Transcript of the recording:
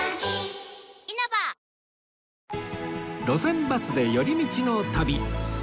『路線バスで寄り道の旅』